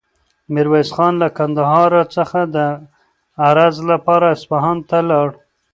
میرویس خان له کندهار څخه د عرض لپاره اصفهان ته ولاړ.